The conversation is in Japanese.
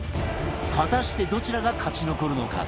果たしてどちらが勝ち残るのか？